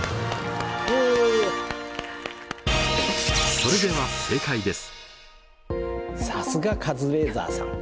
それでは正解です。